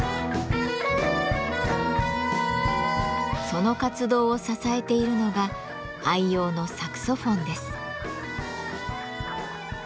その活動を支えているのが愛用のサクソフォンです。